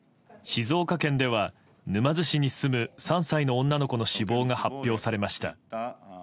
静岡県では沼津市に住む３歳の女の子の死亡が発表されました。